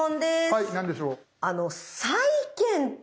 はい何でしょう？